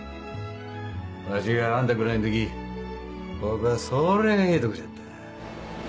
わしがあんたくらいの時ここはそりゃあええとこじゃった。